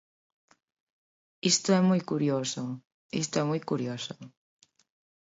Isto é moi curioso, isto é moi curioso.